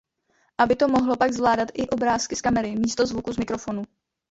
Aby to mohlo pak zvládat i obrázky z kamery místo zvuku z mikrofonu.